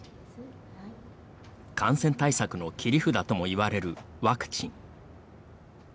感染対策の切り札とも言われるワクチン。